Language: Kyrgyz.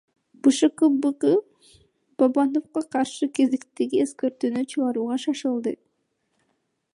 БШК Бабановго каршы кезектеги эскертүүнү чыгарууга шашылды.